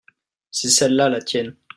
c'est celle-là la tienne.